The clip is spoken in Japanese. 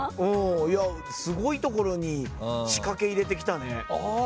いやすごいところに仕掛け入れてきたね。